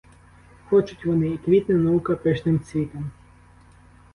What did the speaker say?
Хочуть вони, — і квітне наука пишним цвітом.